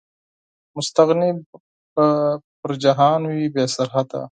مستغني به پر جهان وي، بې سرحده